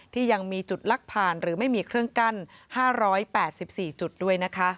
ที่ยังมีจุดลักผ่านหรือไม่มีเครื่องกั้น๕๘๔จุดด้วยนะคะ